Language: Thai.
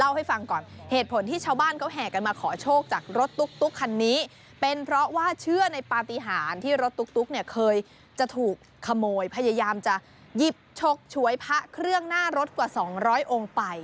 ให้ฟังก่อนเหตุผลที่ชาวบ้านเขาแห่กันมาขอโชคจากรถตุ๊กคันนี้เป็นเพราะว่าเชื่อในปฏิหารที่รถตุ๊กเนี่ยเคยจะถูกขโมยพยายามจะหยิบฉกฉวยพระเครื่องหน้ารถกว่า๒๐๐องค์ไป